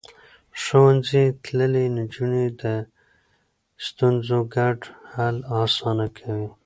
ښوونځی تللې نجونې د ستونزو ګډ حل اسانه کوي.